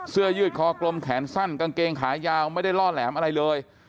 ยืดคอกลมแขนสั้นกางเกงขายาวไม่ได้ล่อแหลมอะไรเลย